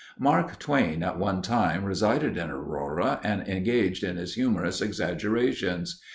Mark Twain at one time resided in Aurora and engaged in his humorous exaggerations.